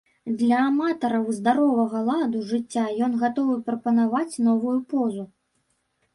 Для аматараў здаровага ладу жыцця ён гатовы прапанаваць новую позу.